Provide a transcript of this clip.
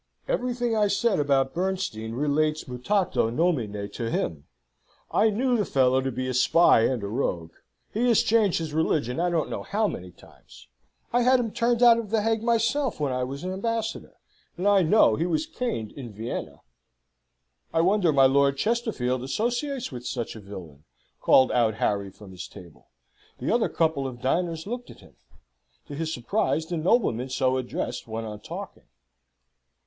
Everything I said about Bernstein relates mutato nomine to him. I knew the fellow to be a spy and a rogue. He has changed his religion I don't know how many times. I had him turned out of the Hague myself when I was ambassador, and I know he was caned in Vienna." "I wonder my Lord Chesterfield associates with such a villain!" called out Harry from his table. The other couple of diners looked at him. To his surprise the nobleman so addressed went on talking.